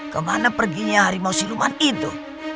kemana perginya harimau siluman itu